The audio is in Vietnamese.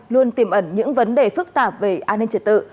luôn tiềm ẩn những vấn đề phức tạp về an ninh trật tự